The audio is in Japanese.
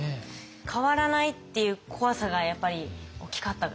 変わらないっていう怖さがやっぱり大きかったですかね。